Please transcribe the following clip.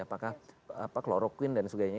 apakah kloroquine dan sebagainya